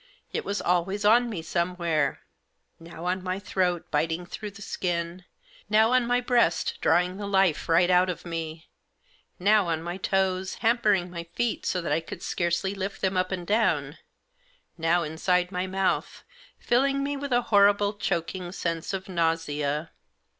It was always on me somewhere ; now on my throat, biting through the skin ; now on my breast, drawing the life right out of me ; now on my toes, hampering my feet, so that I could scarcely lift them up and down ; now inside my mouth, filling me with a horrible choking sense of nausea.